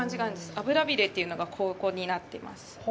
あぶれびれというのがここになってます。